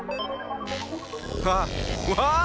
あっわあ！